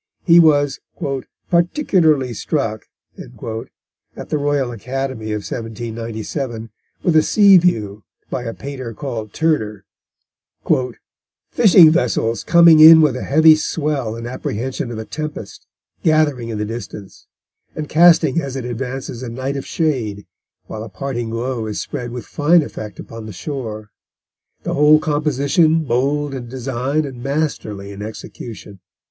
He was "particularly struck" at the Royal Academy of 1797 with a sea view by a painter called Turner: "Fishing vessels coming in with a heavy swell in apprehension of a tempest, gathering in the distance, and casting as it advances a night of shade, while a parting glow is spread with fine effect upon the shore; the whole composition bold in design and masterly in execution.